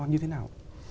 như thế nào